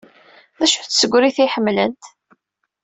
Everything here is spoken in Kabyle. D acu-tt tsegrit ay ḥemmlent?